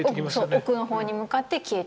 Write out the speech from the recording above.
奥の方に向かって消えていく。